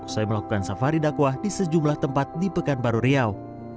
saya melakukan safari dakwah di sejumlah tempat di pekanbaru riau